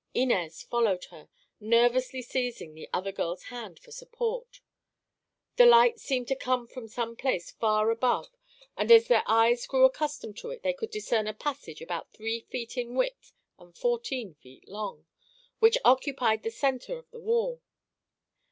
Inez followed her, nervously seizing the other girl's hand for support. The light seemed to come from some place far above and as their eyes grew accustomed to it they could discern a passage about three feet in width and fourteen feet long, which occupied the center of the wall.